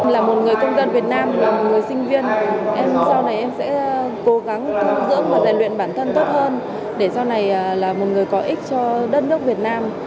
là một người công dân việt nam là một người sinh viên em sau này em sẽ cố gắng dưỡng và rèn luyện bản thân tốt hơn để sau này là một người có ích cho đất nước việt nam